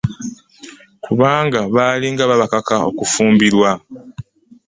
Kubanga bali nga babakaka okufumbirwa .